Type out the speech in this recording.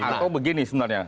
atau begini sebenarnya